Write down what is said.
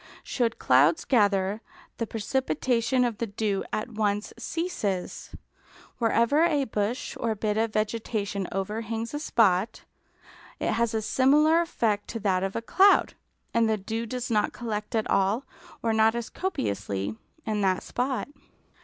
Should clouds gather, the precipitation of the dew at once ceases. Wherever a bush or bit of vegetation overhangs a spot, it has a similar effect to that of a cloud, and the dew does not collect at all, or not as copiously, in that spot.